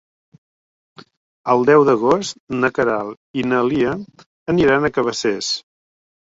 El deu d'agost na Queralt i na Lia aniran a Cabacés.